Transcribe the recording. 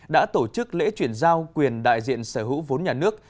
đã tổ chức lễ chuyển giao quyền đại diện sở hữu vốn nhà nước